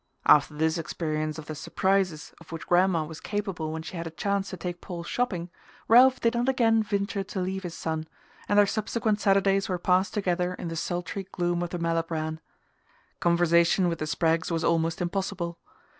After this experience of the "surprises" of which Gran'ma was capable when she had a chance to take Paul shopping Ralph did not again venture to leave his son, and their subsequent Saturdays were passed together in the sultry gloom of the Malibran. Conversation with the Spraggs was almost impossible.